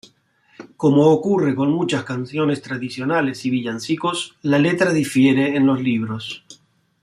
Como ocurre con muchas canciones tradicionales y villancicos, la letra difiere en los libros.